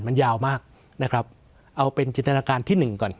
มันยาวมากนะครับเอาเป็นจินตนาการที่หนึ่งก่อน